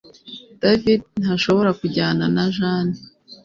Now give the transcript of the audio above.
David ntashobora kujyana na Jane